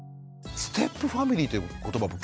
ステップファミリーっていう言葉